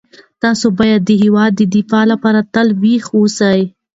تاسو باید د هیواد د دفاع لپاره تل ویښ اوسئ.